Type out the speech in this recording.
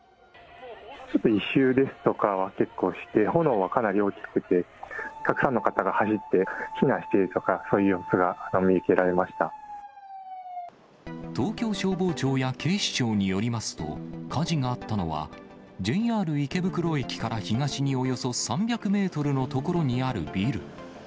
特に異臭ですとかは、結構して、炎はかなり大きくて、たくさんの方が走って避難していくとか、そういう様子が見受けら東京消防庁や警視庁によりますと、火事があったのは、ＪＲ池袋駅から東におよそ３００メートルの所にあるビル。